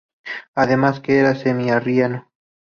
Además, que era semi-arriano.